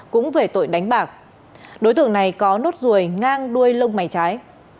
cũng về tội đánh bạc đối tượng này có nốt ruồi ngang đuôi lông mày trái